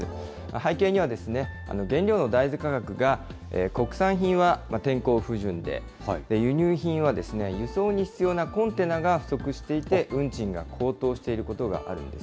背景には、原料の大豆価格が国産品は天候不順で、輸入品は、輸送に必要なコンテナが不足していて、運賃が高騰していることがあるんです。